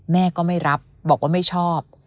แม่ก็ไม่รับบอกว่าไม่ชอบ